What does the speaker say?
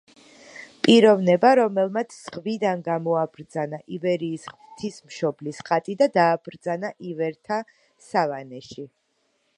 პიროვნება რომელმაც ზღვიდან გამოაბრძანა ივერიის ღვთისმშობლის ხატი და დააბრძანა ივერთა სავანეში.